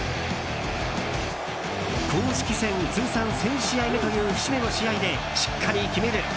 公式戦通算１０００試合目という節目の試合でしっかり決める。